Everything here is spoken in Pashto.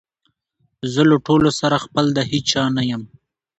زه له ټولو سره خپل د هیچا نه یم